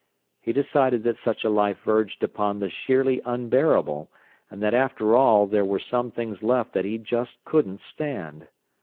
He decided that such a life verged upon the sheerly unbearable, and that after all there were some things left that he just couldn't stand.